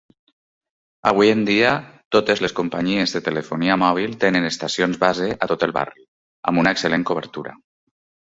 Avui en dia, totes les companyies de telefonia mòbil tenen estacions base a tot el barri, amb una excel·lent cobertura.